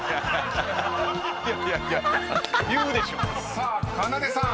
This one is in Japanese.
［さあかなでさん